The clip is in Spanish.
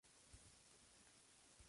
El gráfico se publica en todos los jueves.